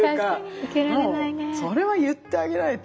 それは言ってあげないと。